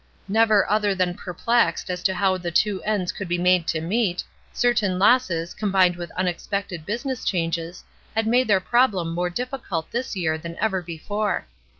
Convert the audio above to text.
Never other than perplexed as to how the two ends could be made to meet, cer tain losses, combined with unexpected business changes, had made their problem more difficult this year than ever before.